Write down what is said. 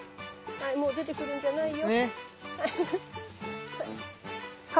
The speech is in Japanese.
もう出てくるんじゃないよ。